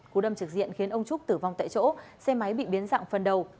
cú đâm trực diện khiến ông trúc tử vong tại chỗ xe máy bị biến dạng phần đầu